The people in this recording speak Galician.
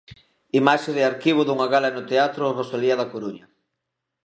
Imaxe de arquivo dunha gala no Teatro Rosalía da Coruña.